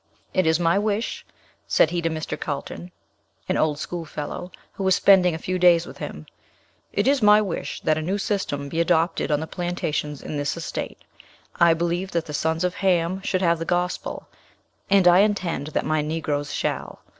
"It is my wish," said he to Mr. Carlton, an old school fellow, who was spending a few days with him, "it is my wish that a new system be adopted on the plantations in this estate. I believe that the sons of Ham should have the gospel, and I intend that my Negroes shall.